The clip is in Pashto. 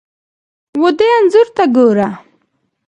ودې انځور ته ګوره!